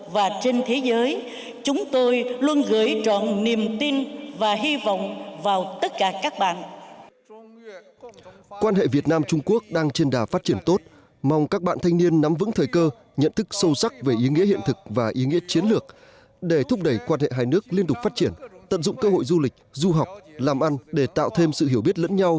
vì quan hệ việt nam trung quốc đang trên đà phát triển tốt mong các bạn thanh niên nắm vững thời cơ nhận thức sâu sắc về ý nghĩa chiến lược để tạo thêm sự hiểu biết lẫn nhau